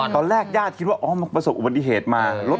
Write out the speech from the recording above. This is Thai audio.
ตอนแรกญาติคิดว่าอ๋อมันประสบอุบัติเหตุมารถ